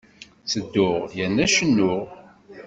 Ttedduɣ yerna cennuɣ.